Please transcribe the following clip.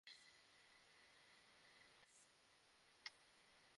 আব্বা তা দেখাশোনা করতেন।